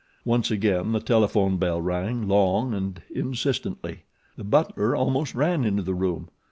Once again the telephone bell rang, long and insistently. The butler almost ran into the room.